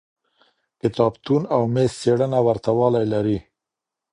کتابتون او میز څېړنه ورته والی لري.